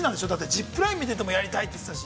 ジップラインを見ててもやりたいって言ってたし。